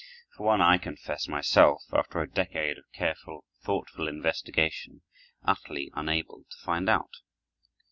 For one, I confess myself, after a decade of careful, thoughtful investigation, utterly unable to find out.